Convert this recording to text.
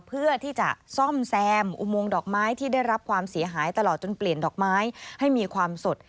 เพื่อที่จะซ่อมแซมอุโมงดอกไม้ที่ได้รับความเสียหายตลอดจนเปลี่ยนดอกไม้ให้มีความสด